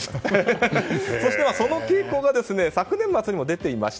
そして、その傾向が昨年末にも出ていました。